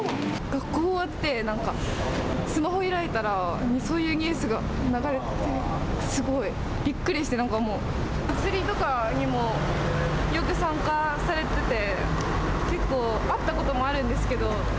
学校終わって、なんかスマホ開いたらそういうニュースが流れてて、すごいびっくりして、なんかもう。とかにも参加されてて、結構会ったこともあるんですけど。